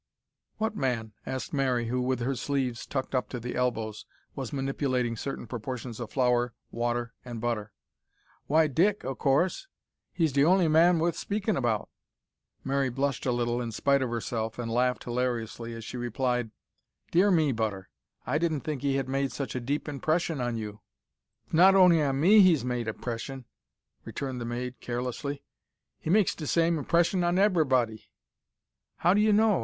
"What man?" asked Mary, who, with her sleeves tucked up to the elbows, was manipulating certain proportions of flour, water, and butter. "Why, Dick, oh course. He's de only man wuth speakin' about." Mary blushed a little in spite of herself, and laughed hilariously as she replied "Dear me, Butter, I didn't think he had made such a deep impression on you." "'S not on'y on me he's made a 'mpress'n," returned the maid, carelessly. "He makes de same 'mpress'n on eberybody." "How d'you know?"